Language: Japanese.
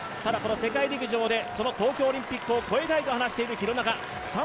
ただ世界陸上で東京オリンピックを超えたいと話している廣中。